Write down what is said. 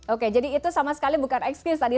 oke jadi itu sama sekali bukan excuse tadi